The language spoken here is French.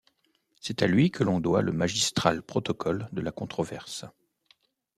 C'est à lui que l'on doit le magistral protocole de la controverse.